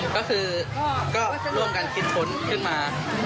ก็คือก็ร่วมกันคิดค้นขึ้นมา